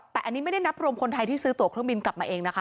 แต่อันนี้ไม่ได้นับรวมคนไทยที่ซื้อตัวเครื่องบินกลับมาเองนะคะ